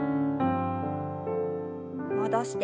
戻して。